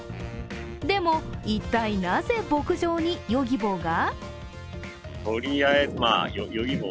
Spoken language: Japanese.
でも一体なぜ牧場にヨギボーが？